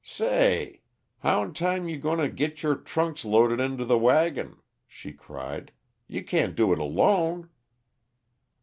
"Say! How'n time you goin' to git your trunks loaded into the wagon?" she cried. "You can't do it alone."